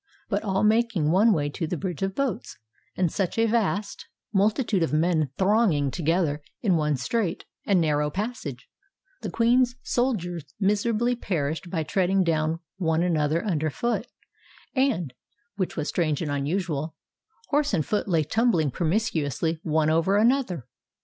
But all making one way to the bridge of boats, and such a vast multitude of men thronging together in one strait and narrow passage, the queen's soldiers miserably perished by treading down one another under foot, and (which was strange and unusual) horse and foot lay tumbling promiscuously one over another.